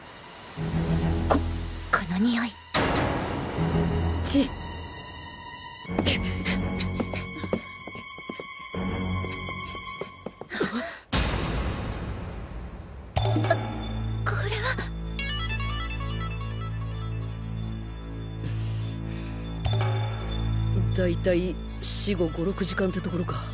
うっこれは！大体死後５６時間ってところか。